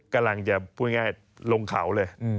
กำลังจะพูดง่ายลงเขาเลย